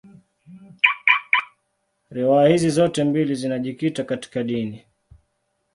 Riwaya hizi zote mbili zinajikita katika dini.